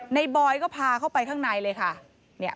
บอยก็พาเข้าไปข้างในเลยค่ะ